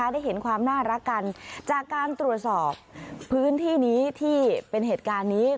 ได้เห็นความน่ารักกันจากการตรวจสอบพื้นที่นี้ที่เป็นเหตุการณ์นี้